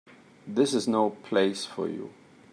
This is no place for you.